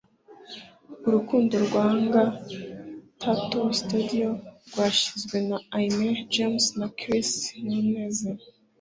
Urukundo Rwanga Tattoo Studio rwashinzwe na Ami James na Chris Nunez.